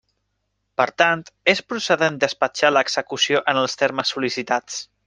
Per tant, és procedent despatxar l'execució en els termes sol·licitats.